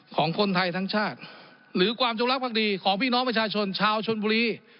ของคนไทยทั้งชาติหรือความจงรักภักดีของพี่น้องประชาชนชาวชนบุรี